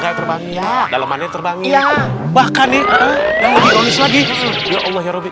gak terbang dalamannya terbang bahkan nih lagi donis lagi ya allah ya rabbi